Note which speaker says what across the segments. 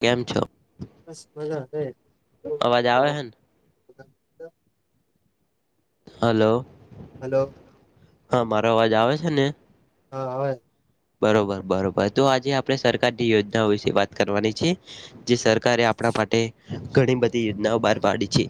Speaker 1: કેમ છો?
Speaker 2: બસ મજા છે.
Speaker 1: અવાજ આવે છે
Speaker 2: [unintelligible]
Speaker 1: ને હલો.
Speaker 2: હલો.
Speaker 1: હા, મારો અવાજ આવે છે ને.
Speaker 2: હા આવે છે.
Speaker 1: બરોબર- બરોબર તો આજે આપણે સરકારની યોજનાઓ વિશે વાત કરવાની છે, જે સરકારે આપણા માટે ઘણી બધી યોજનાઓ બાર પાડી છે.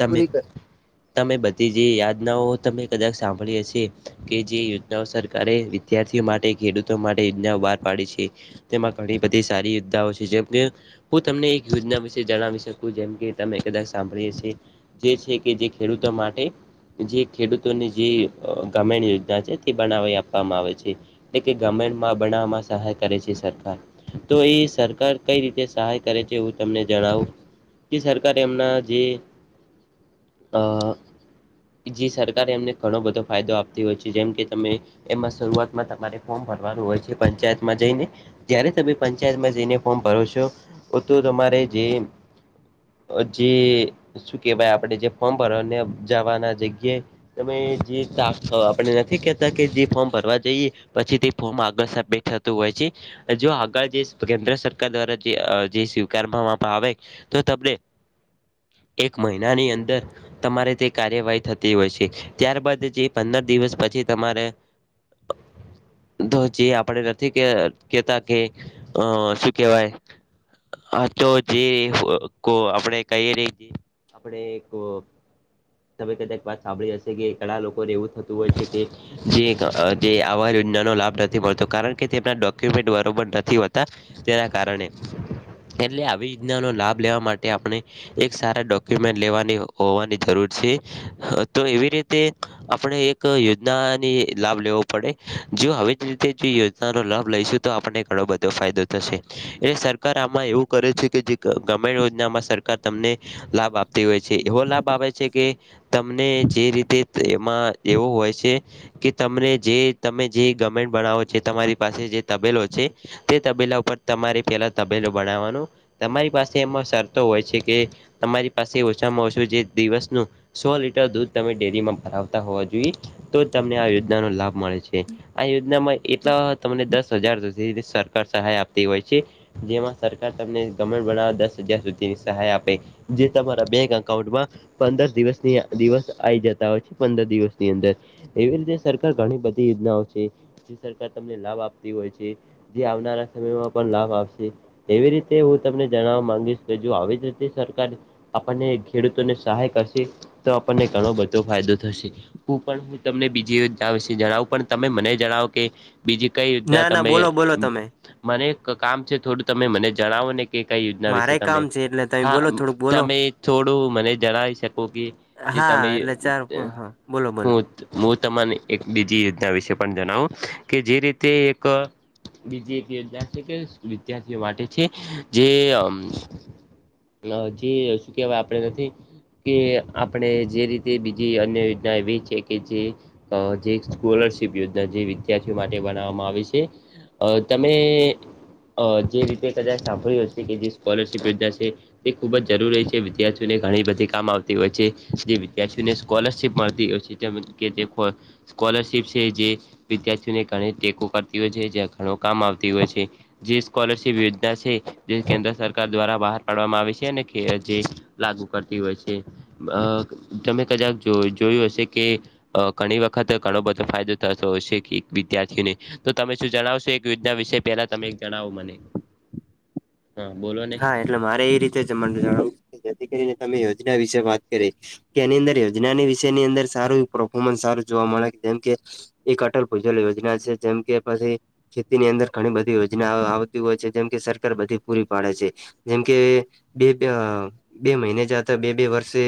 Speaker 1: તમે-તમે બધ તે જે યાદનાઓ તમે કદાચ સાંભળી હશે. કે જે યોજનાઓ સરકારે વિદ્યાર્થીઓ માટે ખેડૂતો માટે યોજનાઓ બહાર પાડી છે. તેમાં ઘણી બધી સારી યોજનાઓ છે. જેમ કે હું તમને એક યોજના વિશે જણાવી શકું, જેમ કે તમે કદાચ સાંભળી હશે. જે છે, કે જે ખેડૂતો માટે જે ખેડૂતોને જે ગ્રામીણ યોજના છે, તે બનાવી આપવામાં આવે છે. એટલે કે ગ્રામીણમાં બનાવામાં સહાય કરે છે સરકાર. તોએ સરકાર કઈ રીતે સહાય કરે છે એવું તમને જણાવું. કે સરકારે એમના જે અ. જે સરકારે એમને ઘણો બધો ફાયદો આપતી હોય છે. જેમ કે તમે એમાં શરૂઆતમાં તમારે ફોર્મ ભરવાનું હોય છે પંચાયતમાં જઈને. જયારે તમે પંચાયતમાં જઈને ફોર્મ ભરો છો‌. બધુ તમારે જૈન અજૈન શું કે ભાઈ આપણે જે ફોર્મ ભરવાનું જાવાના જગ્યે. તમે જે [unintelligible] આપણે નથી કેતા કે જે ફોર્મ ભરવા જઈએ પછી તે ફોમ આગળ સબમિટ થતું હોય છે. જો આગળ જે કેન્દ્ર સરકાર દ્વારા જે -જે સ્વીકારવામાં આવે. તો તમને એક મહિનાની અંદર તમારે તે કાર્યવાહી થતી હોય છે. ત્યારબાદ જે પંદર દિવસ પછી તમારે ધ્વજ એ આપણે નથી કે કેતા કે અ શું કેવાય. હા તો જે કો આપણેે કહી રહ્યે. આપણે એક તમે કદાચ વાત સાંભળી હશે કે ઘણા લોકોને એવું થતું હોય છે કે. જે ક જે આમાંનું જ નાનો લાભ નથી મળતો, કારણ કે તેમના ડોક્યુમેન્ટ બરોબર નથી હોતા, તેના કારણે. એટલે આવી યોજનાનો લાભ લેવા માટે આપણે એક સારા ડોક્યુમેન્ટ લેવાની હોવાની જરૂર છે. હ તો એવી રીતે આપણે એક યોજનાની લાભ લેવો પડે, જો હવે તે રીતે યોજનાનો લાભ લઈશું તો આપને ઘણો બધો ફાયદો થશે. એટલે સર સરકાર આમાં એવું કરે છે કે જે ગ્રામીણ યોજનામાં સરકાર કાર તમને લાભ આપતી હોય છે. એવો લાભ આપે છે, કે તમને જે રીતે એમાં એવું હોય છે કે તમને જે તમે જે ગવર્મેન્ટ બનાવો છે, તમારી પાસે જે તબેલો છે. તે તબેલા ઉપર તમારે પેલા તબેલો બનાવવાનું તમારી પાસે એમાં શરતો હોય છે, કે તમારી પાસે ઓછામાં ઓછું જે દિવસનું સો લિટર દૂધ તમે ડેરીમાં ભરાવતા હોવા જોઈએ તો જ તમને આ યોજના નો લાભ મળે છે. આ યોજનામાં એટલા તમને દસ હજાર સુધી સરકાર સહાય આપતી હોય છે. જેમાં સરકાર તમને ગમે બનાવવા દસ હજાર સુધીની સહાય આપે, જે તમારા બેંક અકાઉન્ટમાં પંદર દિવસની દિવસ આઈ જતા હોય છે, પંદર દિવસની અંદર, એવી રીતે સરકાર ઘણી બધી તે યોજનાઓ છે. જે સરકાર તમને લાભ આપતી હોય છે. જે આવનારા સમયમાં પણ લાભ આપશે. એવી રીતે હું તમને જણાવવા માંગીસ, કે જો આવી જ રીતે સરકાર આપનને ખેડૂતોને સહાય કયસે તો આપયને ઘણો બધો ફાયદો થશે. હું પણ હું તમને બીજી યોજ્ના ઇસે જણાવું પણ તમે મને જણાવો કે બીજી કઈ યોજ્ના
Speaker 2: ના ના
Speaker 1: તમે
Speaker 2: બોલો બોલો તમે
Speaker 1: મને ક-કામ છે થોડું, તમે મને જણાવો ને કે કઈ યોજ્ના વિસે
Speaker 2: મારે
Speaker 1: તમે.
Speaker 2: કામ છે એટલે તમે
Speaker 1: હા,
Speaker 2: બોલો થોડુંક બોલો
Speaker 1: તમે થોડું મને જણાવી શકો કે જે તમે
Speaker 2: હા એટલે ચાર હા બોલો બોલો
Speaker 1: હુંત હું તમાને એક બીજી યો તા વિસે પન જનાવો કે જે રીતે એક બીજી એક યોજના છે, કે વિદ્યાર્થીઓ માટે છે જે અમ્મ... ન જે શું કેવાય આપડે નથી. કે આપણે જે રીતે બીજી અન્ય યોજના એવી છે કે જે અ જે કોલરશીપ યોજના જે વિદ્યાર્થીઓ માટે બનાવવામાં આવી સે. અ તમે અ જે રીતે કદાચ સાંભળ્યું હશે કે, જે સ્કોલરશીપ યોજના સે તે ખૂબ જ જરૂરી છે. વિદ્યાર્થીઓને ઘણી બધી કામ આવતી હોય છે. જે વિદ્યાર્થીઓને સ્કોલરશીપ મળતી હોય છે, કે તેમજ કે ફોર કોલરશિપ છે, જે વિદ્યાર્થીઓને ઘણી ટેકો કરતી હોય છે. જ્યાં ઘણું કામ આવતી ઓય છે. જે સ્કોલરશિપ યોજના છે. જે કેન્દ્ર સરકાર દ્વારા બહાર પાડવામાં આવે છે, અને ખે જે લાગુ કરતી ઓય છે. બક તમે કદાક જો જોયું હશે કે, અ ઘણી વ ખતે ઘણો બધો ફાયદો થતો હોય છે કે, એક વિદ્યાર્થીને તો તમે શું જણાવશો, એક યોજના વિશે પેલા તમે એક જણાવો મને. હ, બોલો ને.
Speaker 2: હા એટલે મારે એ રીતે જમંત જણાવું કે, જેથી કરીને તમે યોજના વિશે વાત કરી. કે એની અંદર યોજનાની વિષય ની અંદર સારું પ્રફોર્મન્સ સારું જોવા મળે. જેમ કે, એક અટલ ભૂજલ યોજના છે, જેમ કે પછી ખેતીની અંદર ઘણી બધી યોજના આ આવતી ઓય છે. જેમ કે, સરકાર બધી પૂરી પાડે છે. જેમ કે, બે-બે અ બે મઈને જતા બે-બે વર્ષે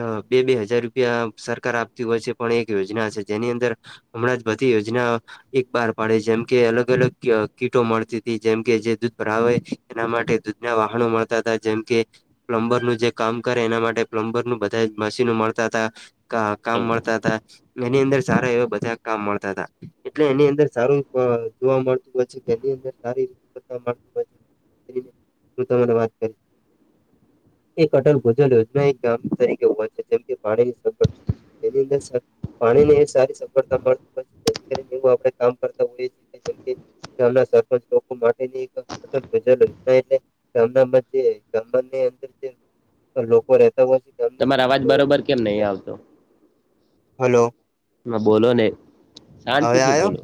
Speaker 2: અ બે-બે હજાર રૂપિયા સરકાર આપતી ઓય છે, પણ એક યોજના છે જેની અંદર અમણાં જ બધી યોજના એક બાર પાડે. જેમ કે, અલગ અલગ કી-કીટો મળતી તી. જેમ કે, જે દૂધ ભ્રાવે એના માટે દૂધના વાહણો મળતા હતા. જેમ કે, પ્લમ્બરનુ જે કામ કરે એના માટે પ્લમ્બરનું બધા જ મશીનો મળતા અતા. ક-કામ મળતા તા. એની અંદર સારા એવા બધા કામ મળતા તા. એટલે એની અંદર સારું બ જોવા મળતું ઓય છે, કે એની અંદર સારી [inaudible] મળતી ઓય છે. [unintelligible] હું તમારે વાત કરી. એક અટલ ભૂજલ યોજના એક ગામ તરીકે હોય છે. જેમ કે, પાણીની સગવડ તેની અંદર સ પાણી ને એક સારી સફળતા મળતી. [inaudible] જેથી કરીને એવું આપણે કામ કરતા હોઈએ છીએ, કે જેમ કે ગામના સરપંચ લોકો માટેની એક [inaudible] [inaudible] [inaudible] અંદર જે લોકો રેતા ઓય.
Speaker 1: તમારે અવાજ બરોબર કેમ નઈ આવતો?
Speaker 2: હલો.
Speaker 1: બોલો ને,
Speaker 2: હવે
Speaker 1: શાંતિથી
Speaker 2: આયો
Speaker 1: બોલો,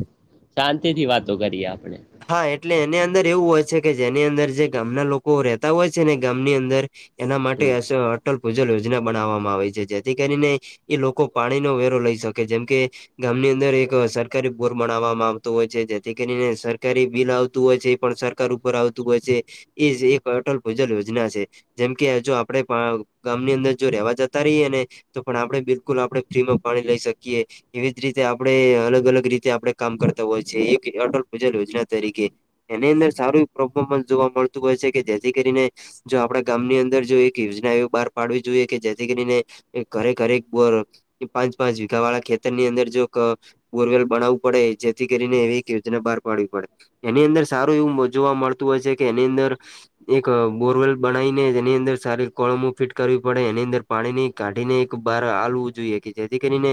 Speaker 1: શાંતિથી વાતો કરીએ આપણે.
Speaker 2: હા એટલે એની અંદર એવું હોય છે, કે જેની અંદર જે ગામના લોકો રેતા હોય છે ને ગામની અંદર એના માટે
Speaker 1: હમ
Speaker 2: એસ અ અટલ પૂજલ યોજના બનાવવામાં આવે છે. જેથી કરીને એ લોકો પાણીનો વેરો લઈ શકે જેમ કે ગામની અંદર એક સરકારી બોર બનાવામાં આવતો હોય છે જેથી કરીને સર કારી બિલ આવતું હોય છે એ પણ સરકાર ઉપર આવતું હોય છે એ જ એક અટલ [unintelligible] યોજના છે. જેમ કે જો આપડે પા ગામની અંદર જો રેવા જતા રીએ ને તો પણ આપડે બિલકુલ આપડે ફ્રીમાં પાણી લઈ શકીએ. એવી જ રીતે આપડે અલગ અલગ રીતે આપડે કામ કરતા હોય છે એક એ અટલ ભુજલ યોજના તરીકે. એની અંદર સારું પ્રફોર્મન્સ જોવા મળતું હોય છે કે જેથી કરીને જો આપડા ગામની અંદર જો એક યોજના એવી બાર પાડવી જોઈએ કે જેથી કરીને એ ઘરે ઘરે એક બોર પાંચ પાંચ વીઘા વાળા ખેતર ની અંદર જો ક બોરવેલ બનાવું પડે જેથી કરીને એવી એક યોજના બાર પાડવી પડે. એની અંદર સારું એવું મ જોવા મળતું હોય સે કે એની અંદર એક બોરવેલ બનાયને જેની અંદર સારી [unintelligible] ફીટ કરવી પડે એની અંદર પાણી ની કાઢીને એક બાર આલવું જોઈએ કે જેથી કરીને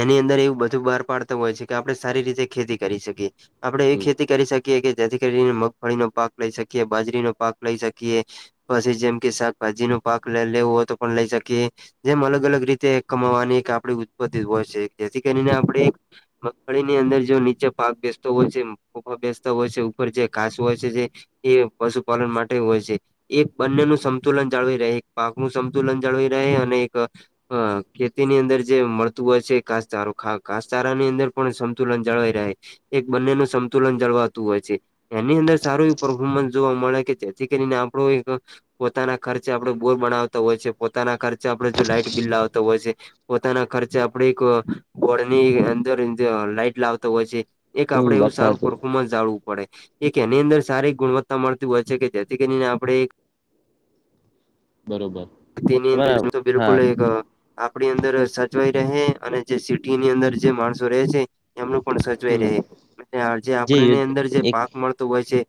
Speaker 2: એની અંદર એવું બધું બાર પાડતું હોય છે કે આપડે સારી રીતે ખેતી કરી શકીએ. આપડે એવી
Speaker 1: હમ
Speaker 2: ખેતી કરી શકીએ કે જેથી કરીને મગફળીનો પાક લઈ શકીએ, બાજરીનો પાક લઈ શકીએ, પસી જેમ કે શાકભાજી નો પાક લે લેવું હોય તો પણ લઈ શકીએ. જેમ અલગ અલગ રીતે કમાવાની એક આપડી ઉત્પતિ હોય સે કે જેથી કરીને આપડે મગફળીની અંદર જો નીચે પાક બેસ તો જે [unintelligible] બેસતા હોય છે ઉપર જે ઘાસ હોય છે જે એ પશુપાલન માટે હોય છે. એક બંનેનું સમતુલન જાળવી રહે એક પાક નું સંતુલન જળવાઈ રહે અને એક હ, ખેતીની અંદર જે મળતું હોય છે ઘાસચારો ખા ઘાસચારાની અંદર પણ સમતુલન જળવાઈ રહે. એક બંનેનું સમતુલન જળવાતું હોય છે. એની અંદર સારું એવુ પરફોર્મન્સ જોવા મળે કે જેથી કરીને આપડો એક પોતાના ખર્ચે આપડે બોર બનાવતા હોય છે, પોતાના ખર્ચે આપડે જો લાઈટ બિલ લાવતો હોય છે, પોતાના ખર્ચે આપડે એક બોર્ડ ની અંદર જ લાઈટ લાવતો હોય છે. એક
Speaker 1: હમ
Speaker 2: આપડે એવું
Speaker 1: બચ્છા
Speaker 2: સારું પરફોર્મન્સ જાળવું પડે એક એની અંદર સારી ગુણવત્તા મળતી હોય છે કે જેથી કરીને આપડે
Speaker 1: બરોબર
Speaker 2: તેની
Speaker 1: તમારા
Speaker 2: [inaudible] [inaudible] બિલકુલ
Speaker 1: હા
Speaker 2: એક આપડી અંદર સચવાઈ રહે અને જે સિટીની અંદર જે માણસો રહે છે એમનું પણ સચવાય
Speaker 1: હમ
Speaker 2: રહે ને આજે
Speaker 1: જે
Speaker 2: આપણને અંદર જે
Speaker 1: એક
Speaker 2: પાક મળતું હોય છે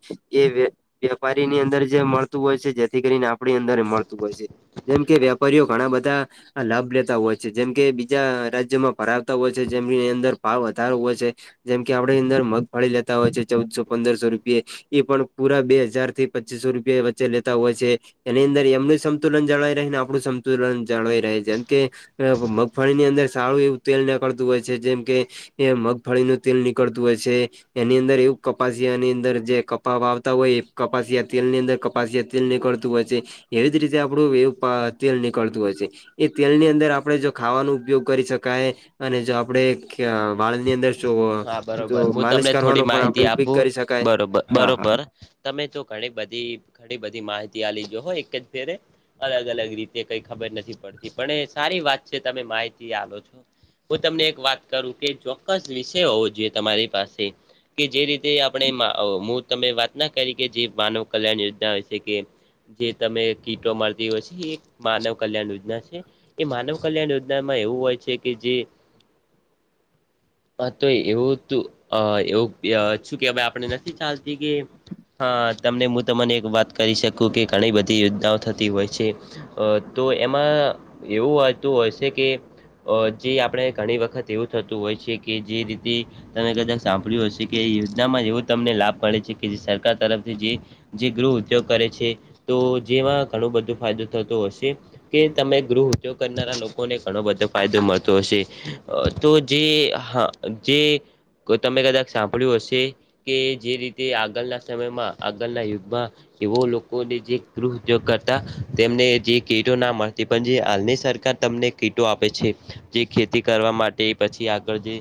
Speaker 2: એ વ્ય વેપારીની અંદર જે મળતું હોય છે જેથી કરીને આપડી અંદરે મળતું હોય છે. જેમ કે વ્યાપારીઓ ઘણા બધા આ લાભ લેતા હોય છે જેમ કે બીજા રાજ્યમાં ફરાવતા હોય છે જેમની અંદર ભાવ વધારો હોય છે. જેમ કે આપડી અંદર મગફળી લેતા હોય છે ચૌદસો પંદરસો રૂપયે એ પણ પુરા બે હજાર થી પચીસો રૂપિયા વચ્ચે લેતા હોય છે. એની અંદર એમનું સંતુલન જાળવાઈ રહે ને આપડું સંતુલન જાળવાઈ રહે જેમ કે અ મ મગફળીની અંદર સારું એવું તેલ નેકળતું હોય છે, જેમ કે એ મગફળીનું તેલ નીકળતું હોય છે. એની અંદર એવું કપાસિયાની અંદર જે કપાવ આવતા હોય એ કપાસિયા તેલ ની અંદર ક પાસિય તેલ નીકળતું હોય છે એવી જ રીતે આપડું એવું પા તેલ નીકળતું હોય છે. એ તેલની અંદર આપડે જો ખાવાનો ઉપયોગ કરી શકાય અને જો આપડે [unintelligible] વાળની અંદર જોવો
Speaker 1: હા બરોબર
Speaker 2: જો
Speaker 1: હું તમને
Speaker 2: માલિશ
Speaker 1: થોડી
Speaker 2: કરવાનુ પણ
Speaker 1: માહિતી
Speaker 2: આપડે ઉપિક
Speaker 1: આપું
Speaker 2: કરી શકાય.
Speaker 1: બરોબર
Speaker 2: હા, હા.
Speaker 1: બરોબર તમે તો ઘણી બધી, ઘણી બધી માહિતી આલી જોહો એક જ ફેરે અલગ અલગ રીત તે કઈ ખબર નથી પડતી, પણ એ સારી વાત છે તમે માહિતી આપો છો હું તમને એક વાત કરું કે ચોક્કસ વિશ તે હોવો જોઈએ તમારી પાસે કે જે રીતે આપણે મા અ હું તમે વાત ના કરી કે જે માનવ કલ્યાણ યોજના હસે કે જે તમે કીટો મલતી હોય છે એ માનવ કલ્યાણ યોજના છે. એ માનવ કલ્યાણ યોજનામાં એવું હોય છે કે જે હા તો એવું તું અ આપણે નથી ચાલતી કે હા, તમને હું તમને એક વાત કરી શકું કે ઘણી બધી યોજનાઓ થતી હોય છે. અતો એમાં એવું આવતું હોય છે કે અ જે આપણે ઘણી વખત એવું થતું હોય છે કે જે રીતે તમે કદાચ સાંભળ્યું હશે કે યોજનામાં એવો તમને લાભ મળે છે કે જે સરકાર તરફથી જે જે ગૃહ ઉદ્યોગ કરે છે તો જેમાં ઘણો બધો ફાયદો થતો હશે કે તમે ગૃહ ઉદ્યોગ કરનારા લોકોને ઘણો બધો ફાયદો મળતો હશે અ તો જે હા જે કોઈ તમે કદાચ સાંભળ્યું હશે એ જે રીતે આગળના સમયમાં આગળના યુગમાં એવો લોકોને જે ગૃહ ઉધ્યોગ કરતા તેમને જે કીટો ના મળતી પણ જે હાલની સરકાર તમને કીટો આપે છે. જે ખેતી કરવા માટે પછી આગળ જે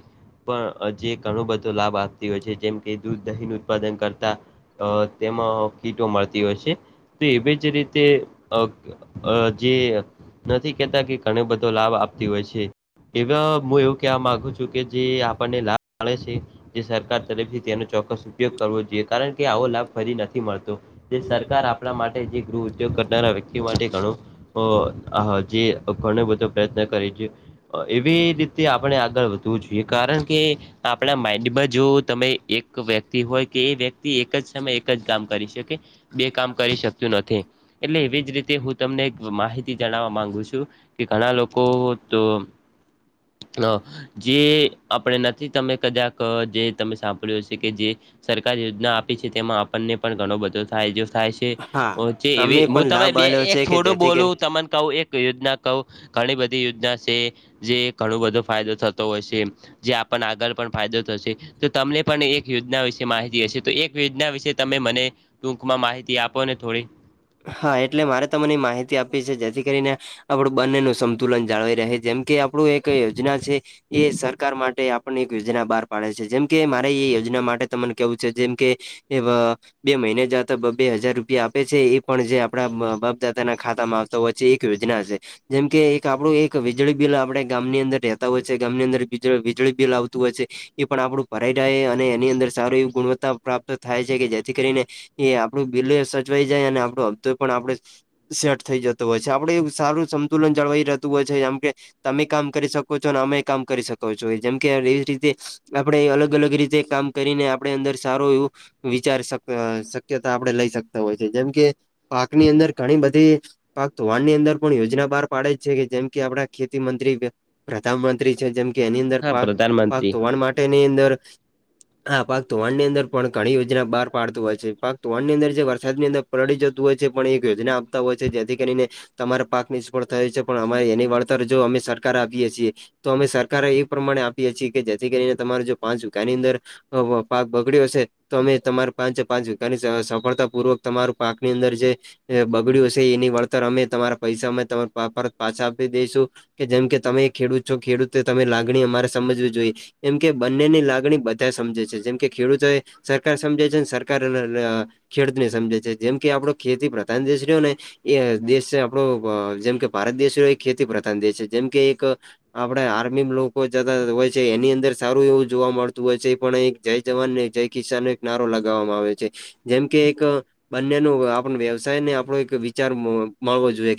Speaker 1: પણ જે ઘણો બધો લાભ આપતી હોય છે જેમ કે દૂધ દહીનું ઉત્પાદન કરતા અ તેમાં કીટો મળતી હોય છે તો એવી જ રીતે અ જે નથી કહેતા કે ઘણી બધી યોજનાઓ લાભ આપતી હોય છે. એ ગ હું એવું કહેવા માંગુ છું. કે જે આપણને લાભ મળે છે જે સરકાર તરફથી તેનો ચોક્કસ ઉપયોગ કરવો જોઈએ કારણ કે આવો લાભ ફરી નથી મળતો. જે સરકાર આપણા માટે, જે ગૃહ ઉદ્યોગ કરનારા વ્યક્તિ માટે ઘણું અ જે ઘણો બધો પ્રયત્ન કરે છે. એવી રીતે આપણે આગળ વધે વુ જોઈએ કારણ કે આપણા માઈન્ડમાં જો તમે એક તો વ્યક્તિ હોય કે એ વ્યક્તિ એક જ સમય એક જ કામ કરી શકે બે કામ કરી શકતું નથી. એટલે એવી જ રીતે હું તમને માહિતી જણાવવા માંગુ છું. એ ઘણા લોકો તો જે આપણે નથી, તમે કદાચ જે તમે સાંભળ્યું હશે કે જે સરકાર યોજના આપી છે તેમાં આપણને પણ ઘણો બધો ફાયદો થાય છે.
Speaker 2: હા
Speaker 1: કે હુંચી એવી
Speaker 2: તમે પણ
Speaker 1: તમને
Speaker 2: લાભ આલ્યો
Speaker 1: બે-એક
Speaker 2: છે કે
Speaker 1: ફોડું
Speaker 2: જેથી કરીને
Speaker 1: બોલું હું તમને કહું એક યોજનામાં કઉ ઘણી બધી યોજનાઓ છે, જે ઘણો બધો ફાયદો થતો હોય છે. જે આપણને આગળ પણ ફાયદો થશે. તો તમને પણ એક યોજના વિશે માહિતી હશે તો એક યોજના વિશે તમે મને ટૂંકમાં માહિતી આપો ને થોડીક
Speaker 2: હા એટલે મારે તમને માહિતી આપવી છે, જેથી કરીને આપણા બંનેનું સંતુલન જળવાઈ રહે, જેમ કે આપણી એક યોજના છે. એ સરકાર માટે આપણે એક યોજના બહાર પાડે છે જેમ કે મારે એ યોજના વિશે તમને કહેવું છે જેમ કે એ બે મહિને જતા બ બે હજાર રૂપિયા આપે છે એ પણ જે આપણા બાપ દાદાના ખાતામાં આવતા હોય છે, એ એક યોજના છે. જેમ કે આપણું એક વીજળી બિલ આપણે ગામની અંદર રહેતા હોઈએ તો ગામની અંદર વીજળી બિલ આવતું હોય છે. એ પણ આપણું ભરાઈ રહે અને એની અંદર સારી એવી ગુણવત્તા પ્રાપ્ત થાય છે, કે જેથી કરીને એ આપણું બિલ સચવાઈ જાય અને આપણો હપ્તો પણ આપણે સેટ થઈ જતો હોય છે, આપણે સારું સંતુલન જળવાઈ રહેતું હોય છે, જેમ કે. તમે કામ કરી શકો છો અને અમેય કામ કરી શકો છો, જેમ કે એવી રીતે. આપણે અલગ અલગ રીતે કામ કરીને આપણે અંદર સારું એવું વિચાર શક શક્યતા આપણે લઈ શકતા હોઈએ છીએ, જેમ કે પાકની અંદર ઘણી બધી. પાક ધોવાણની અંદર પણ યોજના બાર પાડે છે, જેમ કે આપણા ખેતી મંત્રી. પ્રધાનમંત્રી છે, જેમ કે એની અંદર
Speaker 1: હા
Speaker 2: પાક પાક
Speaker 1: પ્રધાનમંત્રી
Speaker 2: ધોવાણ માટેની અંદર. હા, પાક ધોવાણ ની અંદર પણ ઘણી યોજના બાર પાડતું હોય છે. પાક ધોવાણ ની અંદર જે વરસાદની અંદર પલડી જ. તું હોય છે, પણ એક યોજના આપતા હોય છે, જેથી કરીને તમારા પાક નિષ્ફળ થયો છે, પણ અમારે એની વળતર જો અમે સરકારે આપીએ છીએ. તો અમે સરકારે એ પ્રમાણે આપીએ છીએ, કે જેથી કરીને તમારે જો પાંચ વીઘાની અંદર, પાક બગડ્યો હશે તો અમે તમારે પાંચે પાંચ વિઘા ની સફળતાપૂર્વક તમારું પાક, ની અંદર જે. જે બગડ્યું હશે એની વળતર અમે તમારા પૈસા અમે પરત પાછા આપી દઈશું. કે જેમ કે તમે ખેડૂત છો, ખેડૂતે તમારે લાગણી અમારે સમજવી જોઈએ. એમ કે બંનેની લાગણી બધા સમજે છે, જેમ કે ખેડૂતોએ. સરકાર સમજે છે, ને સરકાર ખેડૂતને સમજે છે, જેમ કે આપડો ખેતી પ્રધાન દેશ રયોને. એ દેશ છે, આપડો જેમ કે ભારત દેશ એક ખેતી પ્રધાન દેશ છે, જેમ કે એક. આપડે આર્મી લોકો જતા હોય છે, એની અંદર સારું એવું જોવા મળતું હોય છે. પણ એ જય જવાન, ને જય કિસાન એક નારો લગાવવામાં આવે છે. જેમ કે એક બંનેનો આપણે વ્યવસાયને આપણો એક વિચાર મળવો જોઈએ.